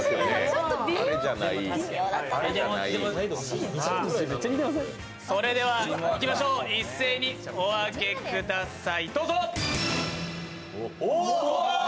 ちょっと微妙それではいきましょう、一斉にお開けください。